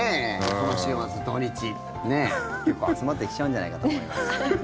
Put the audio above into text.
この週末、土日、ねえ結構、集まってきちゃうんじゃないかと思います。